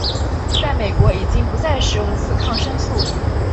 在美国已经不再使用此抗生素。